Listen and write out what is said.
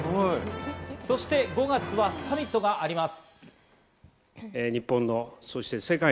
そして５月はサミットがあります。